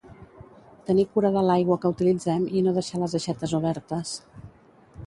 Tenir cura de l'aigua que utilitzem i no deixar les aixetes obertes